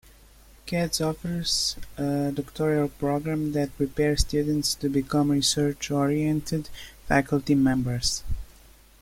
Katz offers a doctoral program that prepares students to become research-oriented faculty members.